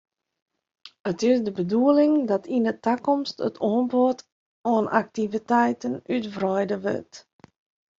It is de bedoeling dat yn 'e takomst it oanbod oan aktiviteiten útwreide wurdt.